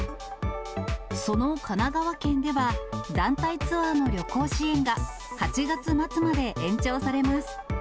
その神奈川県では、団体ツアーの旅行支援が、８月末まで延長されます。